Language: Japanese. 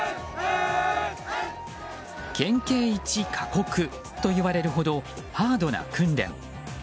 県警イチ過酷といわれるほどハードな訓練。